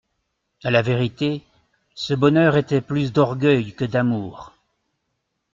A la vérité, ce bonheur était plus d'orgueil que d'amour.